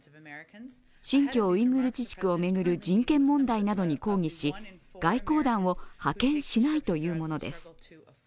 新疆ウイグル自治区を巡る人権問題などに抗議し外交団を派遣しないというものです。